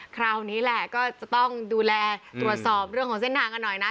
คราวนี้แหละก็จะต้องดูแลตรวจสอบเรื่องของเส้นทางกันหน่อยนะ